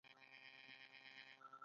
آیا فارسي ژبه علمي شوې نه ده؟